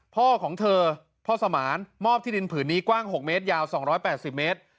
พ่อของเธอพ่อสมานมอบที่ดินผืนนี้กว้าง๖เมตรยาว๒๘๐เมตร